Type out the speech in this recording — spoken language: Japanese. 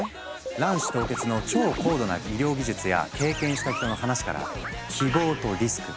卵子凍結の超高度な医療技術や経験した人の話から希望とリスク